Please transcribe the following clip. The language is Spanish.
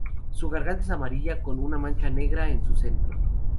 Su garganta es amarilla con una mancha negra en su centro.